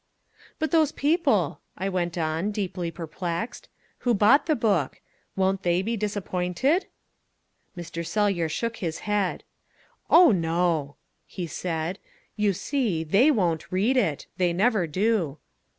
"But those people," I went on, deeply perplexed, "who bought the book. Won't they be disappointed?" Mr. Sellyer shook his head. "Oh, no," he said; "you see, they won't READ it. They never do."